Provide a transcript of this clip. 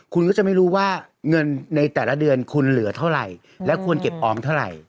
คุณก็จะไม่รู้ว่าเงินในแต่ละเดือนคุณเหลือเท่าไหร่และควรเก็บออมเท่าไหร่